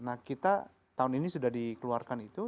nah kita tahun ini sudah dikeluarkan itu